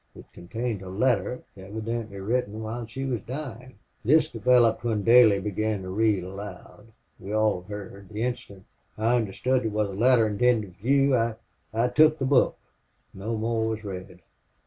It contained a letter, evidently written while she was dying.... This developed when Daley began to read aloud. We all heard. The instant I understood it was a letter intended for you I took the book. No more was read.